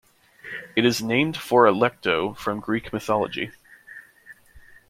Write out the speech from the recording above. It is named for Alecto from Greek Mythology.